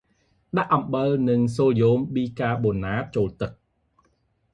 ដាក់អំបិលនិងសូដ្យូមប៊ីកាបូណាតចូលទឹក។